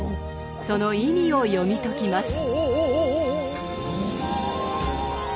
その意味を読み解きます。